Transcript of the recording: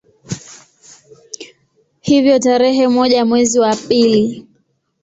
Hivyo tarehe moja mwezi wa pili